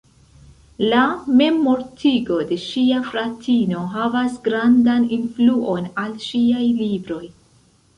La memmortigo de ŝia fratino havas grandan influon al ŝiaj libroj.